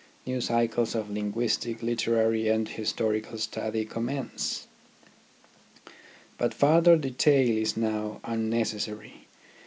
New cycles of linguistic, literary, and historical study commence. But further detail is now unnecessary.